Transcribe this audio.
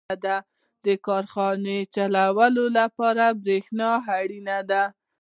• د کارخانې چلولو لپاره برېښنا اړینه ده.